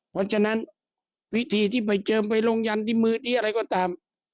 เพราะฉะนั้นวิธีที่ไปเจิมไปลงยันที่มือที่อะไรก็ตาม